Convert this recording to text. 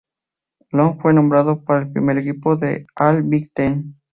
Long fue nombrado para el primer equipo del All-Big Ten.